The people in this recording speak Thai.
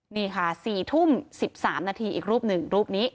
นี่ค่ะ๔ทุ่ม๑๓นาทีอีกรูปหนึ่งรูปนี้